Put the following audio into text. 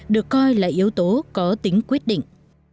được coi là yếu tố có tính quyết định